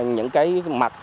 những cái mặt